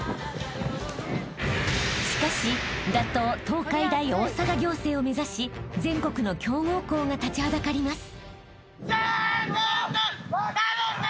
東海大大阪仰星を目指し全国の強豪校が立ちはだかります］